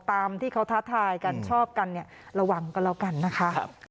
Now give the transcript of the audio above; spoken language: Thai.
ตามที่เขาทักทายกันชอบกันระวังกันแล้วกันนะคะ